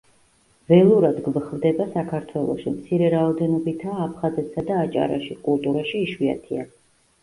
ველურად გვხვდება საქართველოში, მცირე რაოდენობითაა აფხაზეთსა და აჭარაში, კულტურაში იშვიათია.